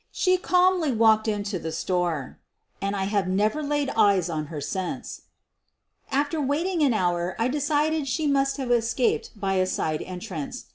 She calmly walked into the store — and I have never laid eyes on her since. After waiting an hour I decided she must have escaped by a side entrance.